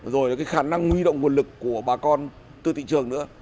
rồi khả năng nguy động nguồn lực của bà con từ thị trường nữa